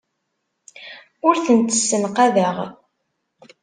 Ur tent-ssenqadeɣ.